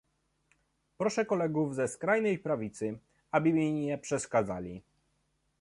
Proszę kolegów ze skrajnej prawicy, aby mi nie przeszkadzali